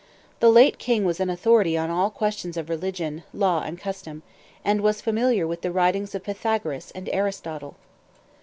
The late king was an authority on all questions of religion, law, and custom, and was familiar with the writings of Pythagoras and Aristotle.